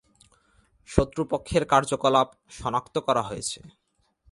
শত্রুপক্ষের কার্যকলাপ সনাক্ত করা হয়েছে।